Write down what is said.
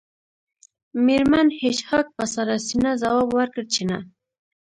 میرمن هیج هاګ په سړه سینه ځواب ورکړ چې نه